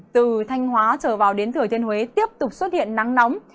từ thanh hóa trở vào đến thừa thiên huế tiếp tục xuất hiện nắng nóng